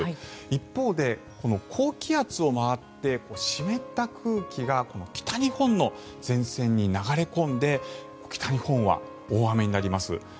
一方で高気圧を回って湿った空気が北日本の前線に流れ込んで北日本は大雨になります。